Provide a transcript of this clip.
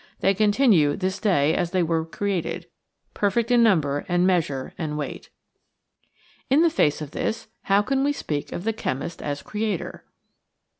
They continue this day as they were created perfect in number and measure and weight. In the face of this how can we speak of the chemist as creator?